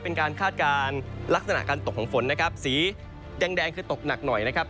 คาดการณ์ลักษณะการตกของฝนนะครับสีแดงแดงคือตกหนักหน่อยนะครับ